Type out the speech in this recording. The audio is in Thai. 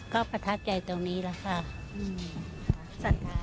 ก็ประทับใจตรงนี้แหละค่ะ